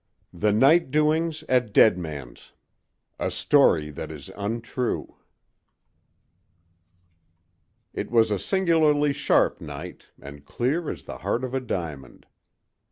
THE NIGHT DOINGS AT "DEADMAN'S" A STORY THAT IS UNTRUE IT was a singularly sharp night, and clear as the heart of a diamond.